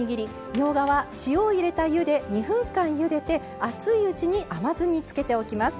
みょうがは塩を入れた湯で２分間ゆでて熱いうちに甘酢に漬けておきます。